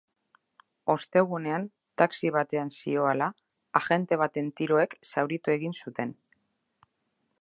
Ostegunean, taxi batean zihoala, agente baten tiroek zauritu egin zuten.